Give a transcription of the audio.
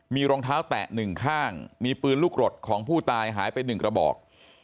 มีรองเท้าแตะหนึ่งข้างมีปืนลูกกรดของผู้ตายหายไป๑กระบอก